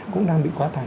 cũng đang bị quá tải